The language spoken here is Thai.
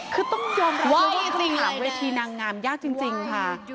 คือต้องยอมรับคำถามเวทีนางงามยากจริงค่ะ